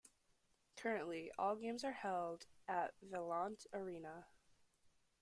Currently, all games are held at Vaillant Arena.